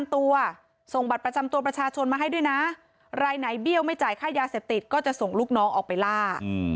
ถ้าไม่จ่ายค่ายาเสพติดก็จะส่งลูกน้องออกไปล่า